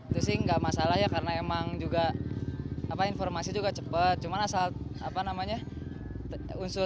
itu sih enggak masalah ya karena emang juga apa informasi juga cepat cuman asal apa namanya unsur